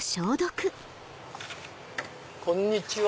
こんにちは。